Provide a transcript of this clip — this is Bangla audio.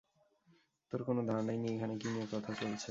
তোর কোন ধারণাই নেই এখানে কি নিয়ে কথা চলছে।